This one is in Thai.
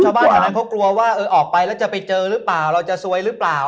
ชาวบ้านเวลานั้นกลัวว่าออกไปแล้วจะไปเจอหรึเปล่า